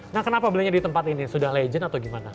nah kenapa belinya di tempat ini sudah legend atau gimana